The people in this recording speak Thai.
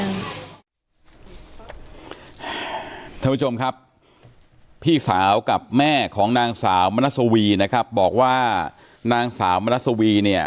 ท่านผู้ชมครับพี่สาวกับแม่ของนางสาวมนัสวีนะครับบอกว่านางสาวมนัสวีเนี่ย